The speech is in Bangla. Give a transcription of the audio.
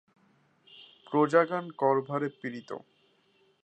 প্রজাগণ করভারে পীড়িত।